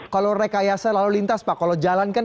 kalau rekayasa lalu lintas pak kalau jalan kan